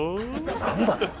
何だと？